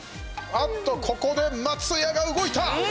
あっとここで松也が動いた！